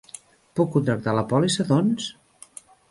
Puc contractar la pòlissa, doncs?